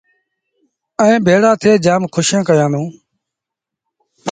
ائيٚݩ ڀيڙآ ٿئي جآم کُوشين ڪيآݩدوݩ